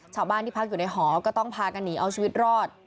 ชาวบ้านที่พักอยู่ในหอก็ต้องพากันหนีเอาชีวิตรอด